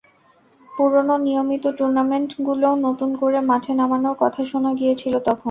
পুরোনো নিয়মিত টুর্নামেন্টগুলোও নতুন করে মাঠে নামানোর কথা শোনা গিয়েছিল তখন।